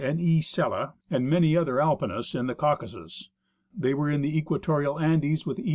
and E. Sella, and many other Alpinists in the Caucasus ; they were in the Equatorial Andes with E.